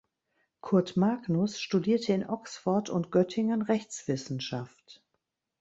Kurt Magnus studierte in Oxford und Göttingen Rechtswissenschaft.